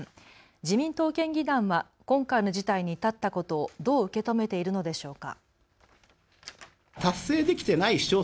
自民党県議団は今回の事態に至ったことをどう受け止めているのでしょうか。